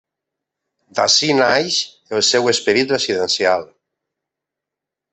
D'ací naix el seu esperit residencial.